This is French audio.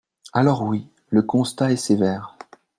Alors oui, le constat est sévère.